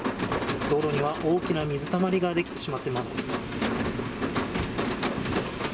道路には大きな水たまりが出来てしまっています。